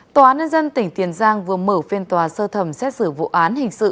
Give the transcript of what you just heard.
tòa án nhân dân tỉnh tiền giang vừa mở phiên tòa sơ thẩm xét xử vụ án hình sự